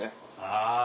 あ。